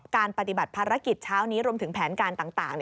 ปฏิบัติภารกิจเช้านี้รวมถึงแผนการต่าง